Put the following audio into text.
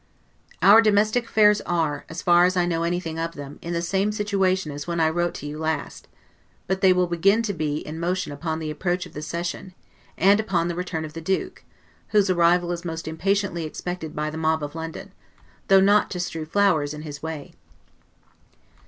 Our domestic affairs are, as far as I know anything of them, in the same situation as when I wrote to you last; but they will begin to be in motion upon the approach of the session, and upon the return of the Duke, whose arrival is most impatiently expected by the mob of London; though not to strew flowers in his way.